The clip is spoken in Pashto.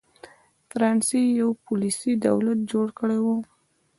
فرانسس یو پولیسي دولت جوړ کړی و.